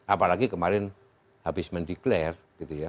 apalagi kemarin habis mendeklarasi